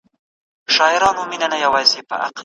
د بل چا پرده وکړئ.